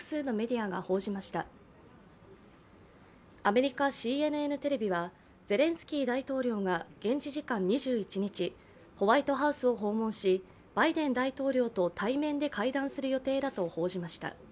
アメリカＣＮＮテレビはゼレンスキー大統領が現地時間２１日、ホワイトハウスを訪問しバイデン大統領と対面で会談する予定だと報じました。